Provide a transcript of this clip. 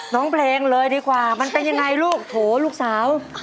น้องเพลงเลยดีกว่ามันเป็นยังไงลูกโถลูกสาว